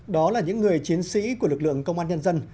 đó là những người chiến sĩ của lực lượng công an nhân dân